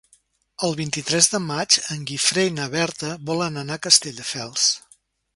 El vint-i-tres de maig en Guifré i na Berta volen anar a Castelldefels.